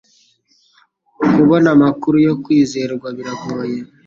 kubona amakuru yo kwizerwa biragoye